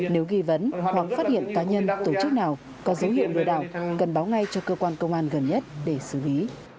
nếu ghi vấn hoặc phát hiện cá nhân tổ chức nào có dấu hiệu lừa đảo cần báo ngay cho cơ quan công an gần nhất để xử lý